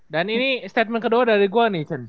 dan ini statement kedua dari gue nih chen